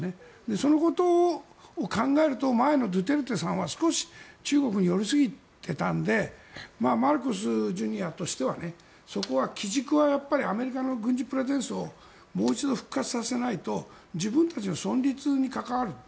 そのことを考えると前のドゥテルテさんは少し中国に寄りすぎてたのでマルコス・ジュニアとしてはそこは基軸はアメリカの軍事プレゼンスをもう一度復活させないと自分たちの存立に関わる。